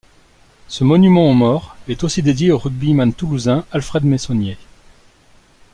Ce monument aux morts est aussi dédié au rugbyman toulousain Alfred Mayssonnié.